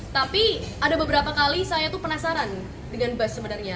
tapi ada beberapa kali saya tuh penasaran dengan bas sebenarnya